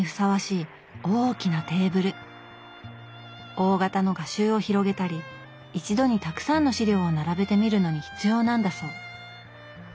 大型の画集を広げたり一度にたくさんの資料を並べて見るのに必要なんだそう。